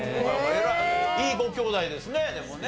いいご兄弟ですねでもね。